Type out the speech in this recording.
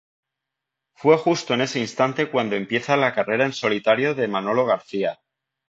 Fue justo en ese instante cuando empieza la carrera en solitario de Manolo García.